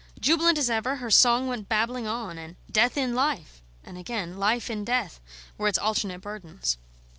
Jubilant as ever, her song went bubbling on, and "Death in Life," and again, "Life in Death," were its alternate burdens.